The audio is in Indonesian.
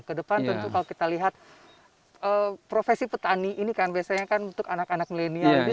kedepan tentu kalau kita lihat profesi petani ini kan biasanya kan untuk anak anak milenial